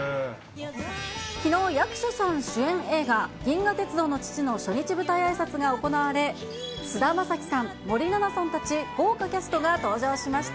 きのう役所さん主演映画、銀河鉄道の父の初日舞台あいさつが行われ、菅田将暉さん、森七菜さんたち、豪華キャストが登場しました。